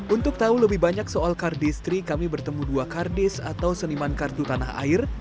untuk tahu lebih banyak soal kardistri kami bertemu dua kardis atau seniman kartu tanah air